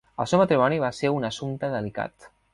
El seu matrimoni va ser un assumpte delicat.